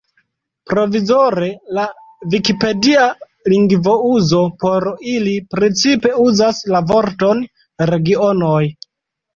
Provizore, la vikipedia lingvouzo por ili precipe uzas la vorton "regionoj".